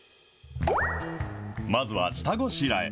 まずは下ごしらえ。